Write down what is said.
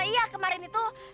iya kemarin itu